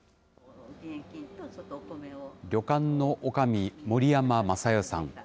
旅館のおかみ、森山雅代さん。